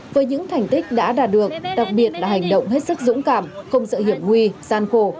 với những thành tích đã đạt được đặc biệt là hành động hết sức dũng cảm không sợ hiểm nguy gian khổ